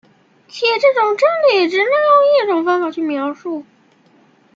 且这种真理仅能由一种方法去描述。